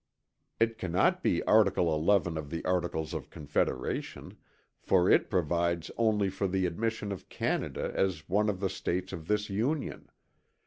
It cannot be article XI of the Articles of Confederation; for it provides only for the admission of Canada as one of the States of this Union.